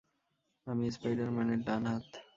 আমি স্পাইডার-ম্যানের ডানহাত।